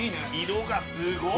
色がすごい。